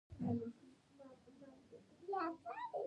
د ټولنیزو ننګونو سره د مبارزې مخکښان ځوانان دي.